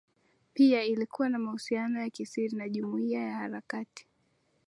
Pia ilikuwa na mahusiano ya kisiri na jumuiya ya Harakati